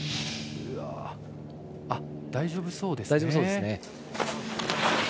大丈夫そうですね。